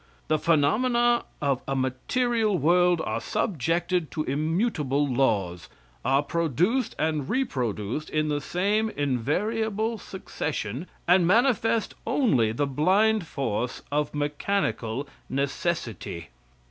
The phenomena of a material world are subjected to immutable laws; are produced and reproduced in the same invariable succession, and manifest only the blind force of mechanical necessity."